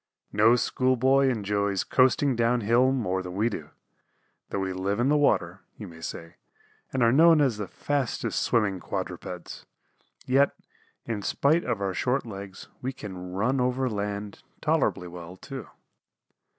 No school boy enjoys coasting down hill more than we do. Though we live in the water, you may say, and are known as the fastest swimming quadrupeds, yet, in spite of our short legs, we can run over land tolerably well, too.